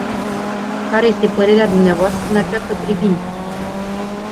Care este părerea dvs. în această privință?